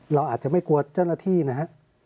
เราอาจจะไม่กลัวเจ้าหน้าที่นะฮะ